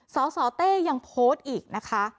สสเต้ยังโพสต์อีกนะคะ